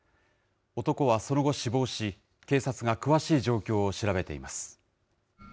男はその後死亡し、警察が詳しい状況を調べています。